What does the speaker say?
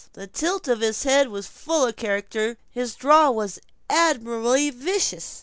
The tilt of his head was full of character; his drawl was admirably vicious.